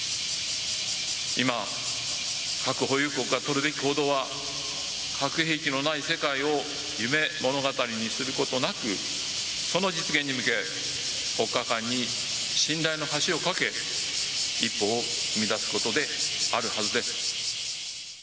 今、核保有国が取るべき行動は、核兵器のない世界を夢物語にすることなく、その実現に向け、国家間に信頼の橋を懸け、一歩を踏み出すことであるはずです。